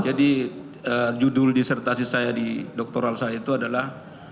jadi judul disertasi saya di doktoral saya itu adalah